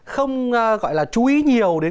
không gọi là chú ý nhiều đến